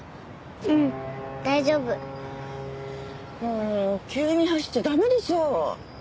もう急に走っちゃ駄目でしょ！